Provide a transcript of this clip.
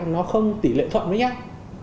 nó không tỷ lệ thuận với nhau